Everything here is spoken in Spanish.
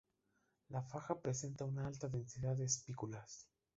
La faja presenta una alta densidad de espículas.